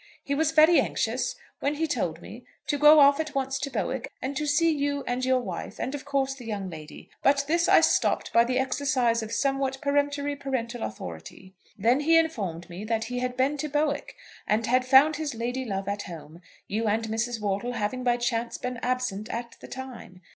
He was very anxious, when he told me, to go off at once to Bowick, and to see you and your wife, and of course the young lady; but this I stopped by the exercise of somewhat peremptory parental authority. Then he informed me that he had been to Bowick, and had found his lady love at home, you and Mrs. Wortle having by chance been absent at the time.